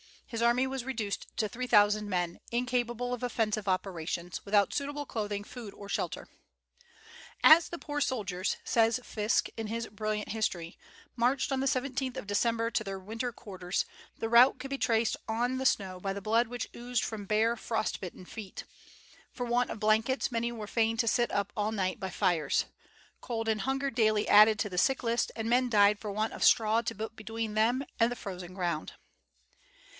His army was reduced to three thousand men, incapable of offensive operations, without suitable clothing, food, or shelter, "As the poor soldiers," says Fiske, in his brilliant history, "marched on the 17th of December to their winter quarters, the route could be traced on the snow by the blood which oozed from bare, frost bitten feet. For want of blankets many were fain to sit up all night by fires. Cold and hunger daily added to the sick list, and men died for want of straw to put between them and the frozen ground."